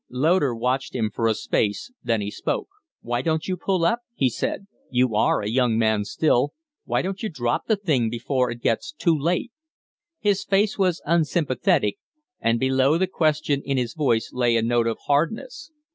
Loder watched him for a space; then he spoke. "Why don't you pull up?" he said. "You are a young man still. Why don't you drop the thing before it gets too late?" His face was unsympathetic, and below the question in his voice lay a note of hard ness.